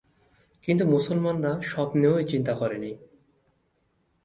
কিন্তু মুসলমানরা স্বপ্নেও এ চিন্তা করে নি।